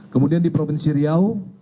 kemudian di provinsi riau